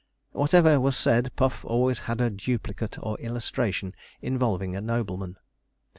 Whatever was said, Puff always had a duplicate or illustration involving a nobleman.